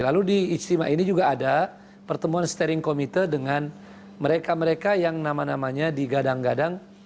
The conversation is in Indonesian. lalu di istimewa ini juga ada pertemuan steering committee dengan mereka mereka yang nama namanya digadang gadang